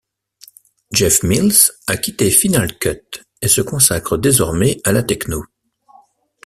Jeff Mills a quitté Final Cut et se consacre désormais à la techno.